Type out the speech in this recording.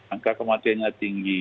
angka kematiannya tinggi